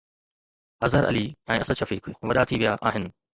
اظهر علي ۽ اسد شفيق وڏا ٿي ويا آهن.